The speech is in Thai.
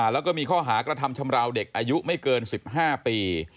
แล้วก็มีข้อหากระทำชำราวเด็กอายุไม่เกิน๑๕ปี